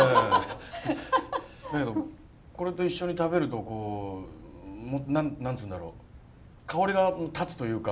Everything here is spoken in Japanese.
だけどこれと一緒に食べるとこう何つうんだろう香りが立つというか。